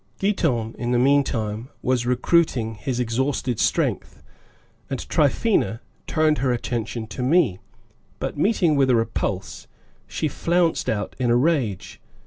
Giton, in the meantime, was recruiting his exhausted strength, and Tryphaena turned her attention to me, but, meeting with a repulse, she flounced out in a rage.